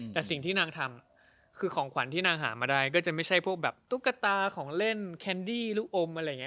แต่สิ่งที่นางทำคือของขวัญที่นางหามาได้ก็จะไม่ใช่พวกแบบตุ๊กตาของเล่นแคนดี้ลูกอมอะไรอย่างนี้